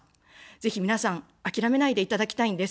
ぜひ皆さん、諦めないでいただきたいんです。